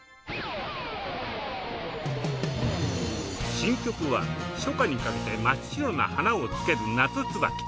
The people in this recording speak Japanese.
新曲は初夏にかけて真っ白な花をつける『夏つばき』。